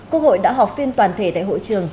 quốc hội đã họp phiên toàn thể tại hội trường